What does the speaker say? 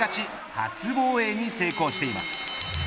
初防衛に成功しています。